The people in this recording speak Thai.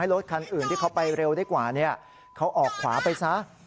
รถคันอื่นที่เขาไปเร็วได้กว่าเขาออกขวาไปซะ